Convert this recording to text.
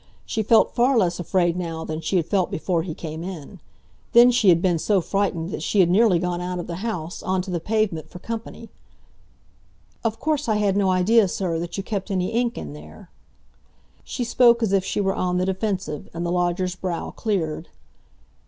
She felt far less afraid now than she had felt before he came in. Then she had been so frightened that she had nearly gone out of the house, on to the pavement, for company. "Of course I had no idea, sir, that you kept any ink in there." She spoke as if she were on the defensive, and the lodger's brow cleared.